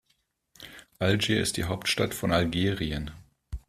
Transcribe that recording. Algier ist die Hauptstadt von Algerien.